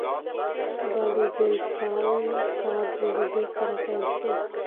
دا د جېمز ټاون ښار جوړېدو سره پیل شو.